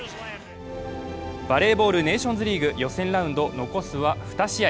バレーボール、ネーションズリーグ予選ラウンド残すは２試合。